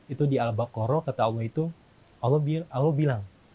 itu di al baqarah kata allah itu allah bilang